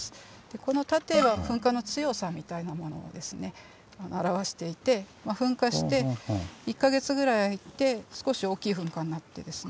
この縦は噴火の強さみたいなものを表していて噴火して１か月ぐらい空いて少し大きい噴火になってですね